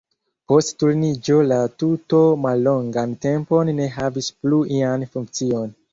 Post Turniĝo la tuto mallongan tempon ne havis plu ian funkcion.